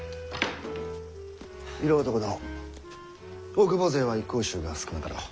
色男殿大久保勢は一向宗が少なかろう。